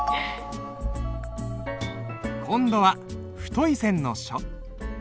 今度は太い線の書。